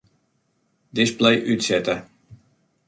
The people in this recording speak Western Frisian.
Display útsette.